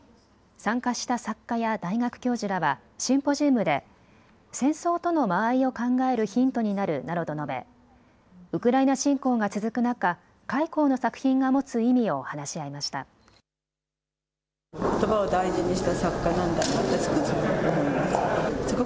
参加した作家や大学教授らはシンポジウムで戦争との間合いを考えるヒントになるなどと述べ、ウクライナ侵攻が続く中、開高の作品が持つ意味を話し合いました。